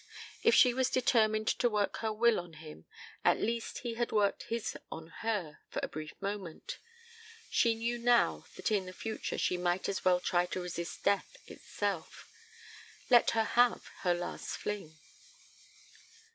If she was determined to work her will on him, at least he had worked his on her for a brief moment. She knew now that in the future she might as well try to resist death itself. Let her have her last fling.